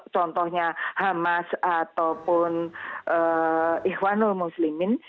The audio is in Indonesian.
contohnya hamas ataupun ihwanul muslimin